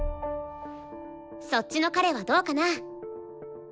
そっちの彼はどうかな？